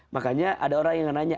makanya ada orang yang nanya